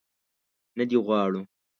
نه دې غواړو.